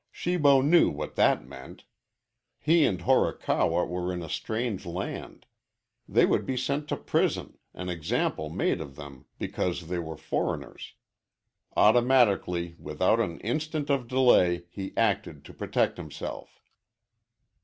Shibo knew what that meant. He and Horikawa were in a strange land. They would be sent to prison, an example made of them because they were foreigners. Automatically, without an instant of delay, he acted to protect himself.